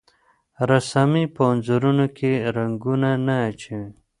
رسامي په انځورونو کې رنګونه نه اچوي.